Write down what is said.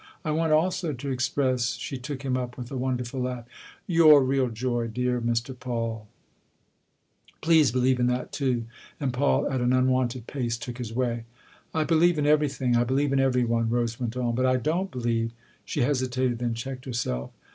" I want also to express " She took him up with a wonderful laugh. " Your real joy, dear Mr. Paul ?" "Please believe in that too." And Paul, at an unwonted pace, took his way. " I believe in everything I believe in every one," Rose went on. " But I don't believe " She hesitated, then checked herself.